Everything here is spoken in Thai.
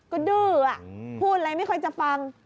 ก็ดื้อพูดอะไรไม่ค่อยจะฟัง